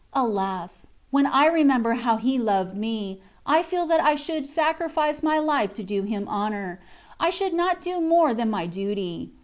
Alas! when I remember how he loved me, I feel that if I should sacrifice my life to do him honor, I should not do more than my duty.